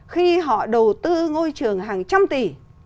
khi họ đầu tư ngôi trường hàng trăm tỷ